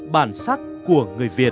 bản sắc của người việt